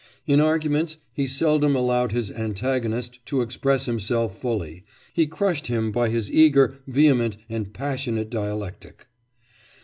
In arguments he seldom allowed his antagonist to express himself fully, he crushed him by his eager, vehement and passionate dialectic.